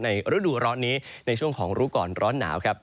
ฤดูร้อนนี้ในช่วงของรู้ก่อนร้อนหนาวครับ